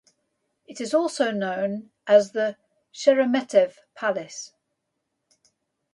It is also known as the Sheremetev Palace.